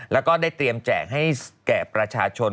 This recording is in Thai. แล้วก็ได้เตรียมแจกให้แก่ประชาชน